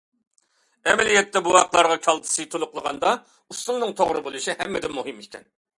ئەمەلىيەتتە بوۋاقلارغا كالتسىي تولۇقلىغاندا ئۇسۇلنىڭ توغرا بولۇشى ھەممىدىن مۇھىم ئىكەن.